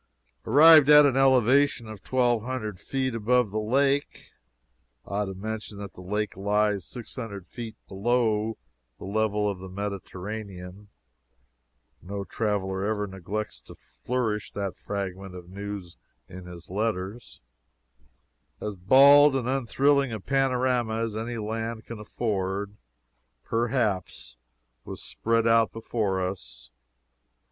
Arrived at an elevation of twelve hundred feet above the lake, (I ought to mention that the lake lies six hundred feet below the level of the Mediterranean no traveler ever neglects to flourish that fragment of news in his letters,) as bald and unthrilling a panorama as any land can afford, perhaps, was spread out before us.